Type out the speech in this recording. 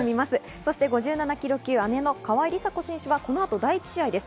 そして５７ｋｇ級、姉の川井梨紗子選手はこのあと第１試合です。